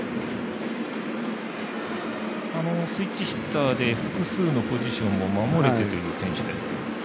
スイッチヒッターで複数のポジションも守れてという選手です。